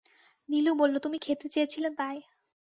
নীলু বলল, তুমি খেতে চেয়েছিলে, তাই।